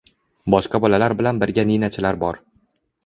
Boshqa bolalar bilan birga ninachilar bor.